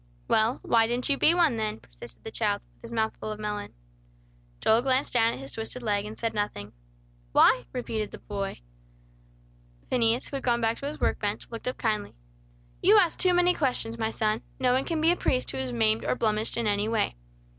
"Well, why didn't you be one then," persisted the child, with his mouth full of melon. Joel glanced down at his twisted leg, and said nothing. "Why?" repeated the boy. Phineas, who had gone back to his work bench, looked up kindly. "You ask too many questions, my son. No one can be a priest who is maimed or blemished in any way.